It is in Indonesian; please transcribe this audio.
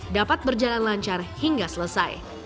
dapat berjalan lancar hingga selesai